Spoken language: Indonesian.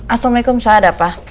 assalamualaikum saya ada pa